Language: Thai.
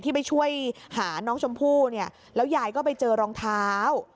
ไปช่วยหาน้องชมพู่เนี่ยแล้วยายก็ไปเจอรองเท้า